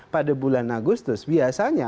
pada bulan agustus biasanya